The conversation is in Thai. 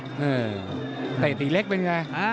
เออแต่ตีเล็กเป็นไง